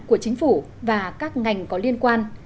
của chính phủ và các ngành có liên quan